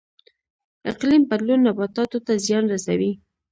اقلیم بدلون نباتاتو ته زیان رسوي